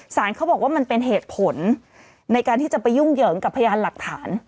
เขาบอกว่ามันเป็นเหตุผลในการที่จะไปยุ่งเหยิงกับพยานหลักฐาน